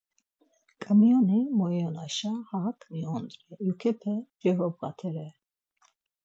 ǩamiyoni moviyonaşa hak miyondri, yukepe cevobğatere.